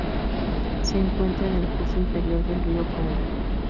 Se encuentra en el curso inferior del río Congo.